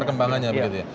perkembangannya begitu ya